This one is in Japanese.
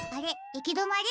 いきどまり？